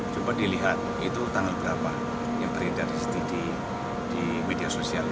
coba dilihat itu tanggal berapa yang beredar di media sosial